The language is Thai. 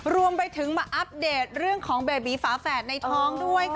รวมไปถึงมาอัปเดตเรื่องของเบบีฝาแฝดในท้องด้วยค่ะ